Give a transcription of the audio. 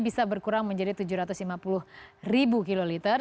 bisa berkurang menjadi tujuh ratus lima puluh ribu kiloliter